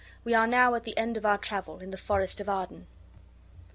We are now at the end of our travel, in the forest of Arden."